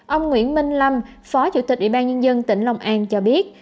ông nguyễn minh lâm phó chủ tịch ủy ban nhân dân tỉnh long an cho biết